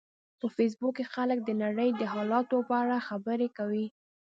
په فېسبوک کې خلک د نړۍ د حالاتو په اړه خبرې کوي